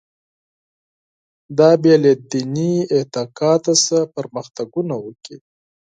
دا بې له دیني اعتقاد څخه پرمختګونه وکړي.